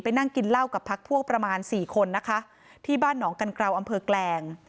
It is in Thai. นั่งกินเหล้ากับพักพวกประมาณสี่คนนะคะที่บ้านหนองกันกราวอำเภอแกลง